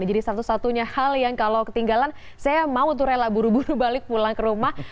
jadi satu satunya hal yang kalau ketinggalan saya mau rela buru buru balik pulang ke rumah